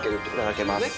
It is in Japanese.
頂けます。